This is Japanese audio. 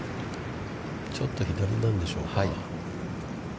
ちょっと左なんでしょうか。